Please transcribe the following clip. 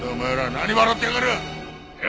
何笑ってやがる！